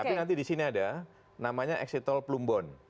tapi nanti di sini ada namanya exit tol plumbon